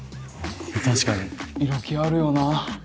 確かに色気あるよな